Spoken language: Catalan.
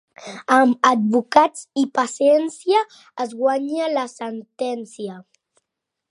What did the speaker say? Amb advocats i paciència es guanya la sentència.